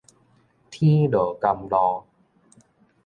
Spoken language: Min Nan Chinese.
天落甘露